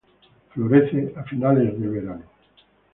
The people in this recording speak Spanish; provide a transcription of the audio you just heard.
Florece a fines del verano.